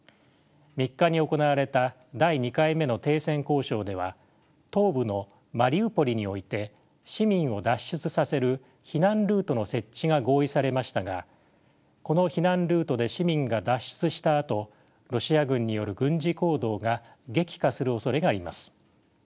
３日に行われた第２回目の停戦交渉では東部のマリウポリにおいて市民を脱出させる避難ルートの設置が合意されましたがこの避難ルートで市民が脱出したあとロシア軍による軍事行動が激化するおそれがあります。